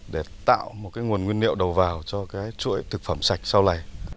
để tạo nguồn nguyên liệu đầu vào cho chuỗi thực phẩm sạch sau này